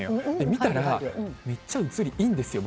見たらめっちゃ映りいいんですよ